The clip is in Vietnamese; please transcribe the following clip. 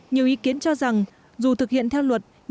nhiều ý kiến cho rằng dù thực hiện theo luật